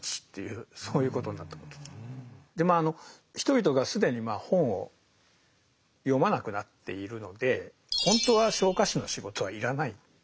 でまあ人々が既に本を読まなくなっているのでほんとは昇火士の仕事は要らないですよね。